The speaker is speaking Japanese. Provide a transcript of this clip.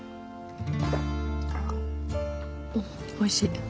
おいしい？